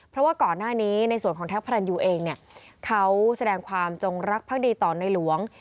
เพราะว่าก่อนหน้านี้ในส่วนของแท็กพระรันยูเองเนี่ยเขาแสดงความจงรักภักดีต่อในหลวง